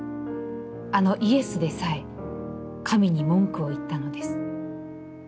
あのイエスでさえ、神に文句を言ったのです。